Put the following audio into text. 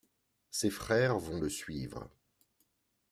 Ses frères vont le suivre.